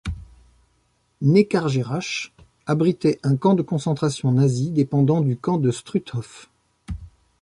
Neckargerach abritait un camp de concentration nazi, dépendant du camp de Struthof.